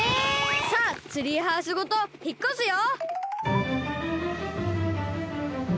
さあツリーハウスごとひっこすよ！